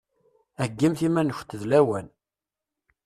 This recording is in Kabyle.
Heggimt iman-nkunt d lawan!